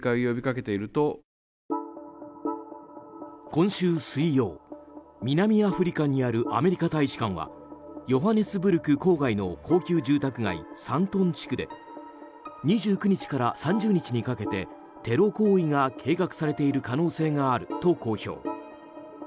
今週水曜、南アフリカにあるアメリカ大使館はヨハネスブルク郊外の高級住宅街サントン地区で２９日から３０日にかけてテロ行為が計画されている可能性があると公表。